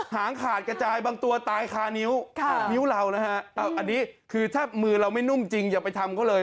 หางขาดกระจายบางตัวตายขานิ้วอันนี้ถ้ามือเราไม่นุ่มจริงอย่าไปทำก็เลย